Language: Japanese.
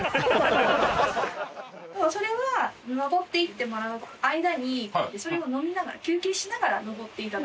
それは登っていってもらう間にそれを飲みながら休憩しながら登って頂く形になるので。